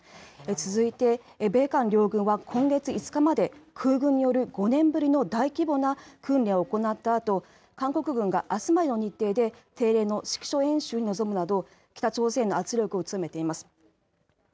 続いて米韓両軍は今月５日まで空軍による５年ぶりの大規模な訓練を行ったあと韓国軍があすまでの日程で定例の演習に臨むなど北朝鮮に圧力を強めています。